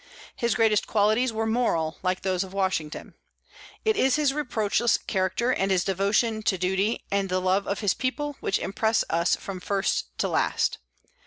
His greatest qualities were moral, like those of Washington. It is his reproachless character, and his devotion to duty, and love of his people which impress us from first to last.